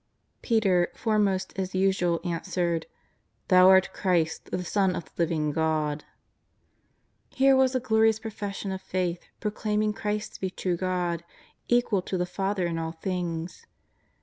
Peter, foremost as usual, answered: "Thou art Christ, the Son of the Living God." Here was a glorious profession of faith, proclaiming Christ to be true God, equal to the Father in all things.